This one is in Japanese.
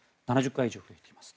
７０回以上です。